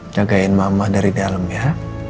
jagain mama dari dalam ya